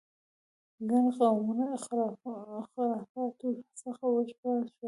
ګڼ قومونه خرافاتو څخه وژغورل شول.